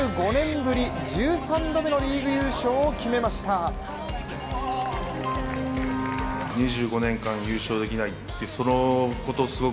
ぶり１３度目のリーグ優勝を決めましたいや